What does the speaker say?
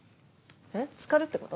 えっつかるってこと？